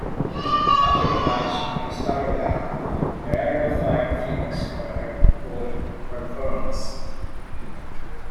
After the match, in storyline, Guerrero fired Phoenix for her poor performance.